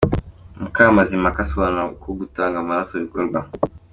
Mukamazimpaka asobanura uko gutanga amaraso bikorwa.